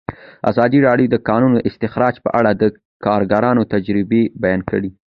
ازادي راډیو د د کانونو استخراج په اړه د کارګرانو تجربې بیان کړي.